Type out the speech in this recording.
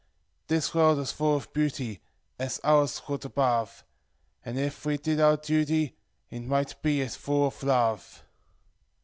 "This world is full of beauty, as othei w .r\< ]> above; And, if we did our duty, it might be as full of love."